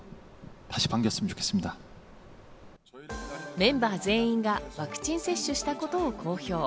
メンバー全員がワクチン接種したことを公表。